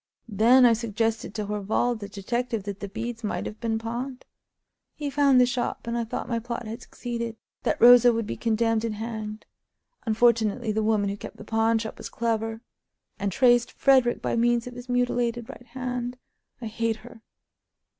Then I suggested to Horval, the detective, that the beads might have been pawned. He found the shop, and I thought my plot had succeeded; that Rosa would be condemned and hanged. Unfortunately, the woman who kept the pawn shop was clever, and traced Frederick by means of his mutilated right hand. I hate her!